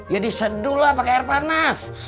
ya diseduh lah pakai air panas